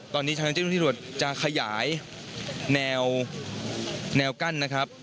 ตอนนี้ทางเจ้าหน้าที่ตำรวจจะขยายแนวกั้นนะครับ